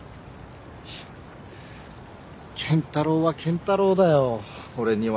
いや健太郎は健太郎だよ俺には。